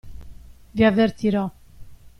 Vi avvertirò.